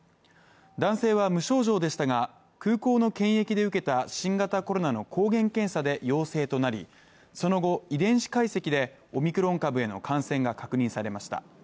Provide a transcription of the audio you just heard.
男性は無症状でしたが空港の検疫で受けた新型コロナの抗原検査で陽性となりその後、遺伝子解析でオミクロン株への感染が確認されました。